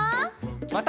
また。